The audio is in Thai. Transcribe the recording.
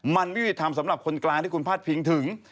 มันไม่มีทำสำหรับคนกลางที่คุณพาดพิงถึง